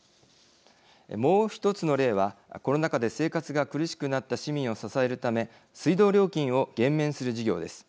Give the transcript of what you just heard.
もう１つの例はコロナ禍で生活が苦しくなった市民を支えるため水道料金を減免する事業です。